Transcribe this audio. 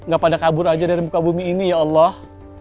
gak pada kabur aja dari muka bumi ini ya allah